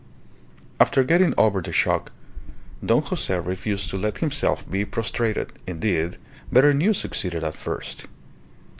After getting over the shock, Don Jose refused to let himself be prostrated. Indeed, better news succeeded at first.